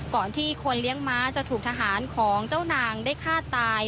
ก่อนที่คนเลี้ยงม้าจะถูกทหารของเจ้านางได้ฆ่าตาย